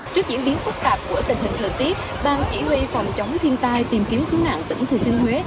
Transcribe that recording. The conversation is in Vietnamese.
trước diễn biến phức tạp của tình hình lợi tiết bang chỉ huy phòng chống thiên tai tìm kiếm cứu nạn tỉnh thừa thiên huế